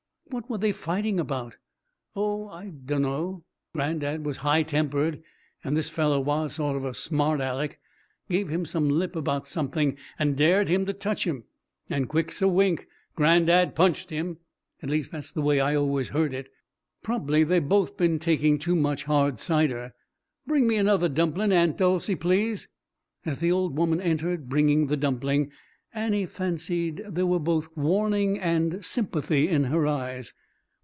"What were they fighting about?" "Oh, I dunno granddad was high tempered, and this fellow was sort of smart Aleck; give him some lip about something and dared him to touch him. And quick's a wink granddad punched him. At least that's the way I always heard it. Prob'ly they'd both been taking too much hard cider. Bring me another dumplin', Aunt Dolcey, please." As the old woman entered, bringing the dumpling, Annie fancied there were both warning and sympathy in her eyes.